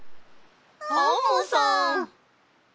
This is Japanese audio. アンモさん！